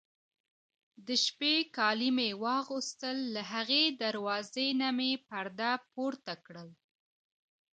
د شپې کالي مې واغوستل، له هغې دروازې نه مې پرده پورته کړل.